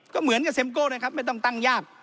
ก็เหมือนกับเซ็มโก้นะครับไม่ต้องตั้งยาก